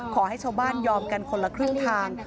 ขอให้ชาวบ้านยอมกันคนละครึ่งทาง